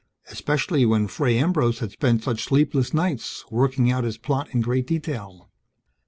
Especially, when Fray Ambrose had spent such sleepless nights, working out his plot in great detail?